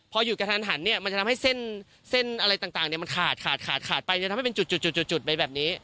พอหยุดกระทันหันเนี่ยมันจะทำให้เส้นอะไรต่างมันขาดขาดขาดไปจะทำให้เป็นจุดไปแบบนี้